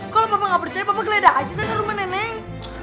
kalau bapak gak percaya bapak geledah aja sama rumah neneng